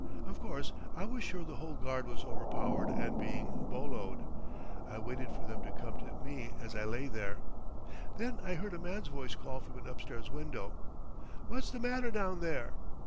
Of course, I was sure the whole guard was overpowered and being boloed. I waited for them to come to me as I lay there. Then I heard a man's voice call from an upstairs window, 'What's the matter down there?'